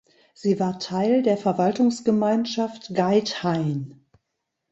Sie war Teil der Verwaltungsgemeinschaft Geithain.